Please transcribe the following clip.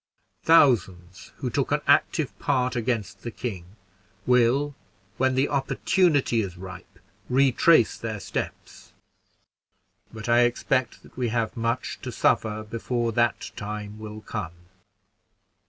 Thousands who took an active part against the king will, when the opportunity is ripe, retrace their steps; but I expect that we have much to suffer before that time will come.